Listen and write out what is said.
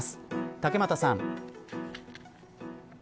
竹俣さん。